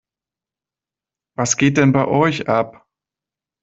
Was geht denn bei euch ab?